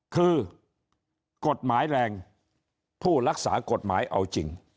คือกฎหมายแรงผู้รักษากฎหมายเอาจริง